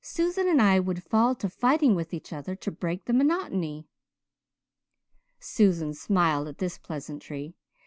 Susan and I would fall to fighting with each other to break the monotony." Susan smiled at this pleasantry.